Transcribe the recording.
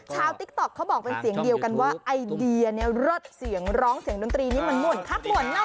ชาวติ๊กต๊อกเขาบอกเป็นเสียงเดียวกันว่าไอเดียนเนี้ยรสเสียงร้องเสียงดนตรีนี่มันหมวนครับ